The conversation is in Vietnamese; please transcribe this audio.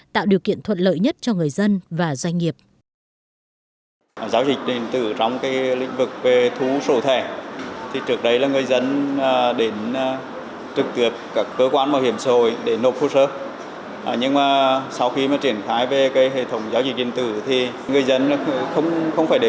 tạo điều kiện thuận lợi nhất cho người dân và doanh nghiệp